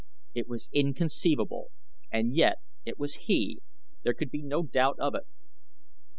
It was inconceivable and yet it was he; there could be no doubt of it.